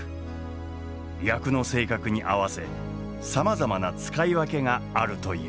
役の性格に合わせさまざまな使い分けがあるという。